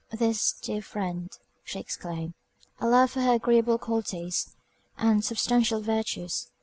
"This dear friend," she exclaimed, "I love for her agreeable qualities, and substantial virtues.